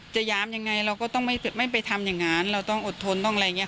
ยามยังไงเราก็ต้องไม่ไปทำอย่างนั้นเราต้องอดทนต้องอะไรอย่างนี้